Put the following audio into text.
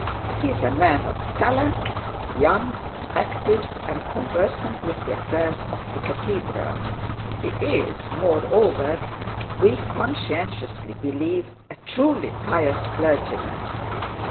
He is a man of talent, young, active, and conversant with the affairs of the cathedral; he is moreover, we conscientiously believe, a truly pious clergyman.